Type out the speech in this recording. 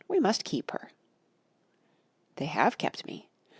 We must keep her." They have kept me.